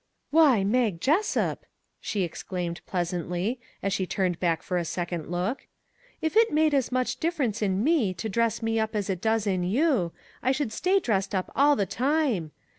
" Why, Mag Jessup !" she exclaimed pleas antly, as she turned back for a second look ;" if it made as much difference in me to dress me up as it does in you, I should stay dressed up all the time.